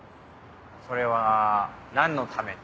それは何のために？